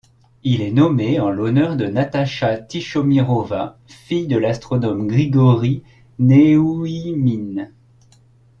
Il est nommé en l'honneur de Natascha Tichomirova, fille de l'astronome Grigori Néouïmine.